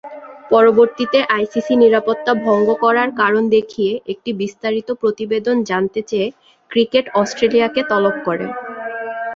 পরবর্তীতে আইসিসি নিরাপত্তা ভঙ্গ করার কারণ দেখিয়ে একটি বিস্তারিত প্রতিবেদন জানতে চেয়ে ক্রিকেট অস্ট্রেলিয়াকে তলব করে।